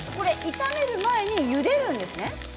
炒める前にゆでるんですね。